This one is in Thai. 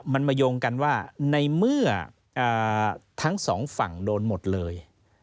มันมาโยงกันว่าในเมื่อทั้งสองฝั่งโดนหมดเลย